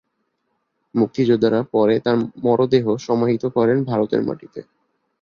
মুক্তিযোদ্ধারা পরে তার মরদেহ সমাহিত করেন ভারতের মাটিতে।